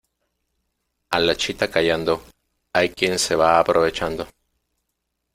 A la chita callando, hay quien se va aprovechando.